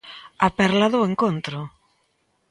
A perla do encontro.